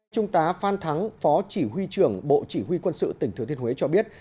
trung tá phan thắng phó chỉ huy trưởng bộ chỉ huy quân sự tỉnh thừa thiên huế cho biết